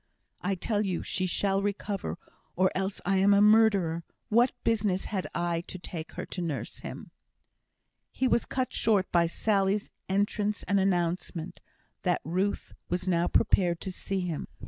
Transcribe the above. "I tell you she shall recover, or else I am a murderer. What business had I to take her to nurse him " He was cut short by Sally's entrance and announcement that Ruth was now prepared to see him.